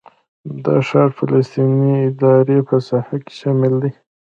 دا ښار د فلسطیني ادارې په ساحه کې شامل دی.